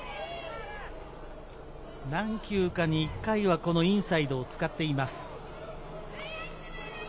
何球かに１回はインサイドを使っています。